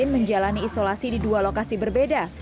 menjalani isolasi di dua lokasi berbeda